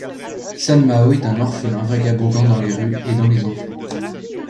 Sanmao est un orphelin vagabondant dans les rues, aidant les enfants.